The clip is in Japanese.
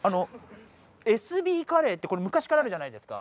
エスビーカレーってこれ昔からあるじゃないですか